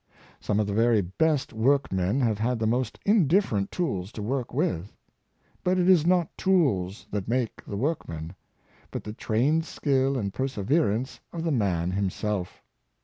Some of the very best workmen have had the most indifferent tools to work with. But it is not tools that make the workman, 2 5 2 Ferguson — Stoth ard, but the trained skill and perseverance of the man him self.